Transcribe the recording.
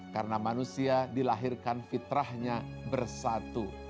karena manusia dilahirkan fitrahnya bersatu